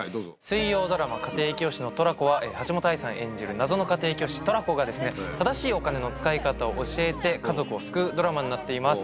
水曜ドラマ『家庭教師のトラコ』は橋本愛さん演じる謎の家庭教師トラコが正しいお金の使い方を教えて家族を救うドラマになっています。